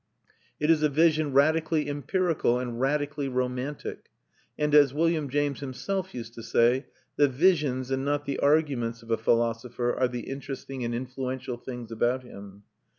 It is a vision radically empirical and radically romantic; and as William James himself used to say, the visions and not the arguments of a philosopher are the interesting and influential things about him.